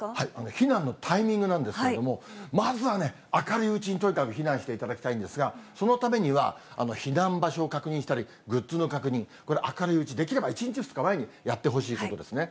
避難のタイミングなんですけれども、まずはね、明るいうちにとにかく避難していただきたいんですが、そのためには、避難場所を確認したり、グッズの確認、これ、明るいうち、できれば１日、２日前にやってほしいことですね。